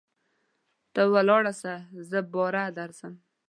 ته ولاړسه زه باره درځم.